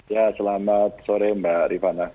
ya selamat sore mbak rifana